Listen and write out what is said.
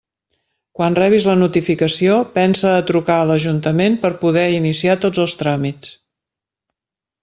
Quan rebis la notificació, pensa a trucar a l'ajuntament per poder iniciar tots els tràmits.